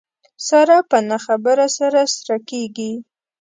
ساره په نه خبره سره سره کېږي.